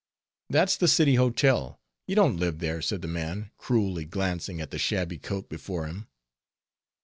"That's the City Hotel: you don't live there," said the man, cruelly glancing at the shabby coat before him.